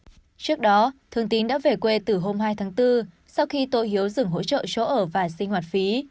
trước đó thường tín đã về quê từ hôm hai tháng bốn sau khi tôi hiếu dừng hỗ trợ chỗ ở và sinh hoạt phí